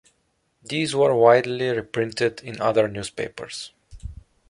These were widely reprinted in other newspapers.